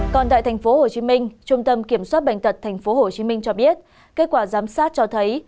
còn tại tp hcm trung tâm kiểm soát bệnh tật tp hcm cho biết kết quả giám sát cho thấy